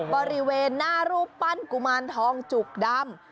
บริเวณหน้ารูปปั้นกุมารทองจุกดำ